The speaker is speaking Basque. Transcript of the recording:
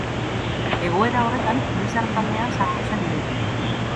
Egoera horretan Lizar taldean sartu zen ere.